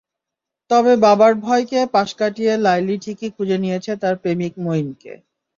তবে বাবার ভয়কে পাশ কাটিয়ে লাইলি ঠিকই খুঁজে নিয়েছে তার প্রেমিক মঈনকে।